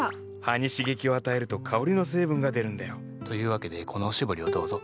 葉に刺激を与えると香りの成分が出るんだよ。というわけでこのおしぼりをどうぞ。